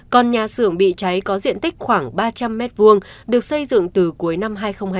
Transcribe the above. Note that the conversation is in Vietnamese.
còn nhà xưởng bị cháy có diện tích khoảng ba trăm linh m hai được xây dựng từ cuối năm hai nghìn hai mươi